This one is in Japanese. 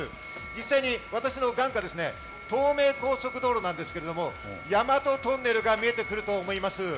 実際に私の眼下、東名高速道路なんですけど、大和トンネルが見えてくると思います。